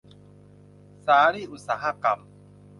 สาลี่อุตสาหกรรม